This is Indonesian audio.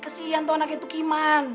kesian tuh anaknya tukiman